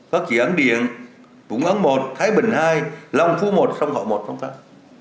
các dự án điện vũng ấn một thái bình hai long phú một sông hậu một sông tháp